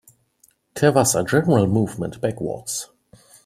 There was a general movement backwards.